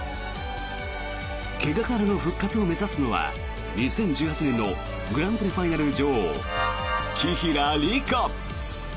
怪我からの復活を目指すのは２０１８年のグランプリファイナル女王紀平梨花。